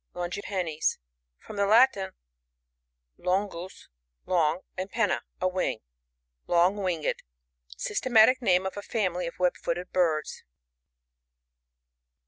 LoNGiPRNNEs. — From the Latin, leti' fusy long, and pcnna^ a wing, long wingcd. Svstematic name of a family of web footed birds.